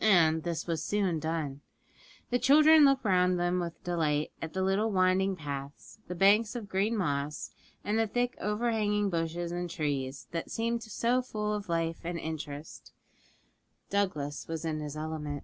And this was soon done. The children looked round them with delight at the little winding paths, the banks of green moss, and the thick overhanging bushes and trees, that seemed so full of life and interest. Douglas was in his element.